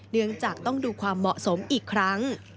เนื่องจากต้องดูความเหมาะสมอีกครั้ง